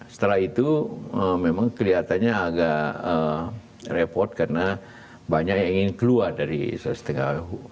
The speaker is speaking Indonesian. setelah itu memang kelihatannya agak repot karena banyak yang ingin keluar dari sulawesi tengah